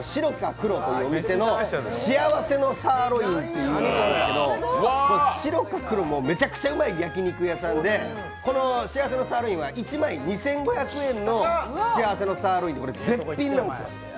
黒というお店の幸せのサーロインという品でこれ白か黒、めちゃくちゃうまい焼き肉屋さんでこの幸せのサーロインは１枚２５００円の幸せのサーロイン、絶品なんですよ。